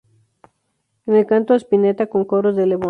En el canto, Spinetta, con coros de Lebón.